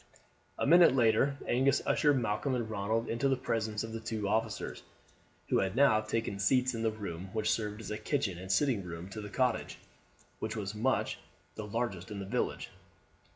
A minute later Angus ushered Malcolm and Ronald into the presence of the two officers, who had now taken seats in the room which served as kitchen and sitting room to the cottage, which was much the largest in the village.